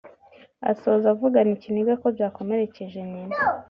Asoza avugana ikiniga ko byakomerekeje nyina